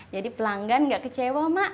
jadi pelanggan gak kecewa mak